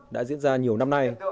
đã diễn ra nhiều năm nay